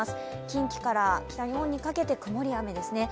近畿から北日本にかけて曇りや雨ですね。